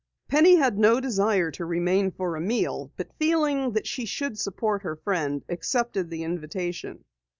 Penny had no desire to remain for a meal, but feeling that she should support her friend, accepted the invitation.